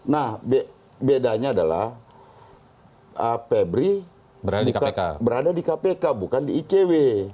nah bedanya adalah febri berada di kpk bukan di icw